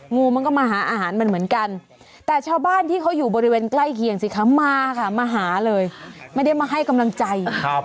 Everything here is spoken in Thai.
งูมันก็มาหาอาหารมันเหมือนกันแต่ชาวบ้านที่เขาอยู่บริเวณใกล้เคียงสิคะมาค่ะมาหาเลยไม่ได้มาให้กำลังใจ